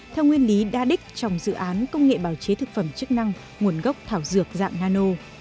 theo nguyên lý đa đích trong dự án công nghệ bào chế thực phẩm chức năng nguồn gốc thảo dược dạng nano